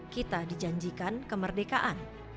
kita dijanjikan kemerdekaan